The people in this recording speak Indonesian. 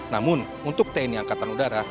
namun untuk tni angkatan udara